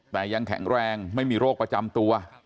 แต่ยังแข็งแรงไม่มีโรคประจำตัว